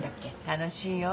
楽しいよ。